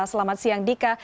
selamat siang dika